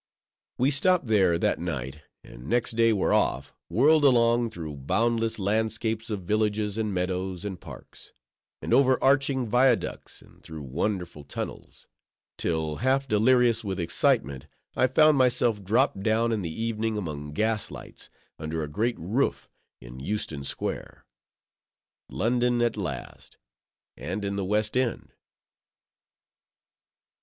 We stopped there that night, and next day were off, whirled along through boundless landscapes of villages, and meadows, and parks: and over arching viaducts, and through wonderful tunnels; till, half delirious with excitement, I found myself dropped down in the evening among gas lights, under a great roof in Euston Square. London at last, and in the West End!